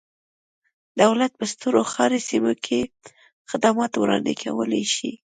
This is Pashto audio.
دولت په سترو ښاري سیمو کې خدمات وړاندې کولای شي.